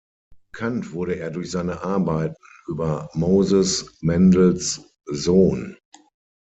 Bekannt wurde er durch seine Arbeiten über Moses Mendelssohn.